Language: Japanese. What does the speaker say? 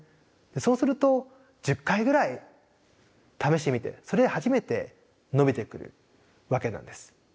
そうすると１０回ぐらい試してみてそれで初めて伸びてくるわけなんです。